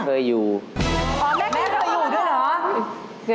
อ๋อแม่เคยอยู่ด้วยเหรอ